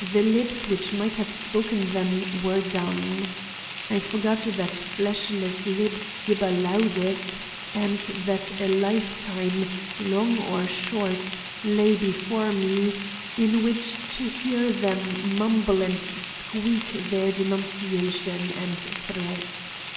The lips which might have spoken them were dumb. I forgot that fleshless lips gibber loudest, and that a lifetime, long or short, lay before me, in which to hear them mumble and squeak their denunciation and threats.